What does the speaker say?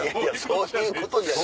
そういうことじゃない。